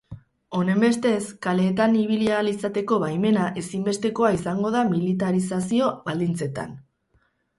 Honenbestez, kaleetan ibili ahal izateko baimena ezinbestekoa izango da militarizazio baldintzetan.